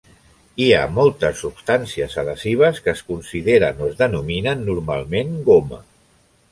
Hi ha moltes substàncies adhesives que es consideren o es denominen normalment "goma".